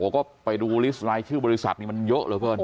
ก็ไปดูลิสไลด์ชื่อบริษัทมันเยอะเลยเพลิน